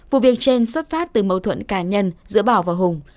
vụ việc trên xuất phát từ mâu thuẫn cá nhân giữa bảo và hùng